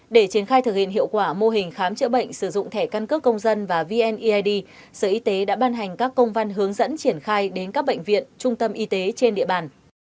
để triển khai thực hiện hiệu quả mô hình khám chữa bệnh sử dụng thẻ căn cước công dân và vneid sở y tế đã ban hành các công văn hướng dẫn triển khai đến các bệnh viện trung tâm y tế trên địa bàn